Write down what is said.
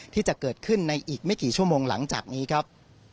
ที่จะเกิดขึ้นในอีกไม่กี่ชั่วโมงหลังจากนี้ครับ